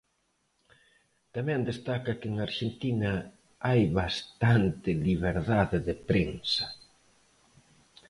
Tamén destaca que en Arxentina hai "bastante liberdade de prensa".